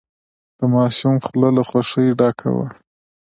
د ماشوم خوله له خوښۍ ډکه وه.